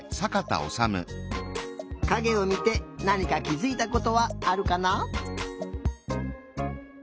かげをみてなにかきづいたことはあるかな？